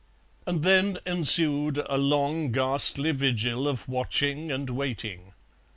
And then ensued a long ghastly vigil of watching and waiting.